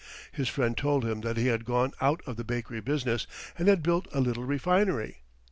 His friend told him that he had gone out of the bakery business and had built a little refinery.